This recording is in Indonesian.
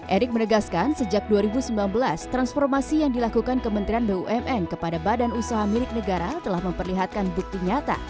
erick menegaskan sejak dua ribu sembilan belas transformasi yang dilakukan kementerian bumn kepada badan usaha milik negara telah memperlihatkan bukti nyata